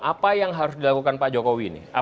apa yang harus dilakukan pak jokowi ini